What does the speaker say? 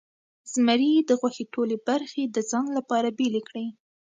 زمري د غوښې ټولې برخې د ځان لپاره بیلې کړې.